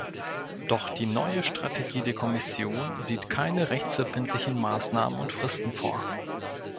Doch die neue Strategie der Kommission sieht keine rechtsverbindlichen Maßnahmen und Fristen vor.